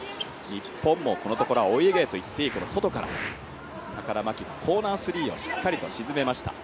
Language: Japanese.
日本もこのところはお家芸と言っていい外からコーナースリーをしっかりと沈めました。